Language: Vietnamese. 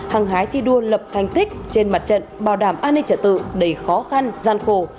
hàng hái thi đua lập thành tích trên mặt trận bảo đảm an ninh trợ tự đầy khó khăn gian khổ